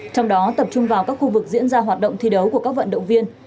trong đó tập trung vào các khu vực diễn ra hoạt động thi đấu của các vận động viên